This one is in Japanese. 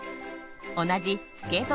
同じスケート